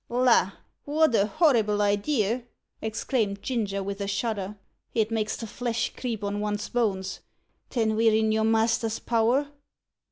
"La! wot a horrible idea!" exclaimed Ginger, with a shudder; "it makes the flesh creep on one's bones. Then we're in your master's power?"